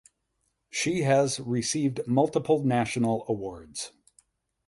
She has received multiple national awards.